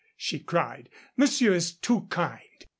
she cried. "Monsieur is too kind.